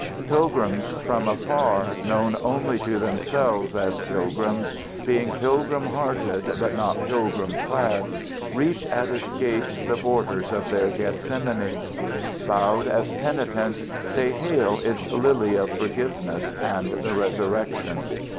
Pilgrims from afar, known only to themselves as pilgrims, being pilgrim hearted but not pilgrim clad, reach at its gates the borders of their Gethsemane. Bowed as penitents, they hail its lily of forgiveness and the resurrection.